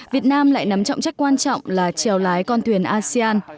việt nam lại nắm trọng trách quan trọng là trèo lái con thuyền asean